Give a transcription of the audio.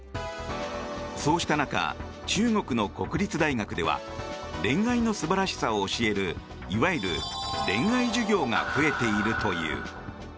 そうした中、中国の国立大学では恋愛の素晴らしさを教えるいわゆる恋愛授業が増えているという。